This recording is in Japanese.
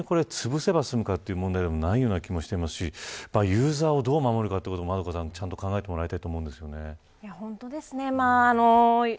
単純に、つぶせば済むかという問題ではないような気もしますしユーザーをどう守るかということを考えてもらいたい本当ですね。